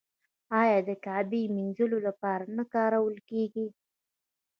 آیا د کعبې مینځلو لپاره نه کارول کیږي؟